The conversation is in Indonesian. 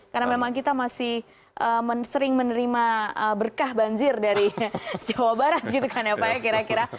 karena memang kita masih sering menerima berkah banjir dari jawa barat gitu kan ya pak ya kira kira